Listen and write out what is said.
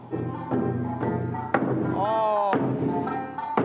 ああ。